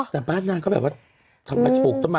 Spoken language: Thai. แต่บ้านนั้นก็แบบว่าทำไมจะปลูกขนละไม้เยอะ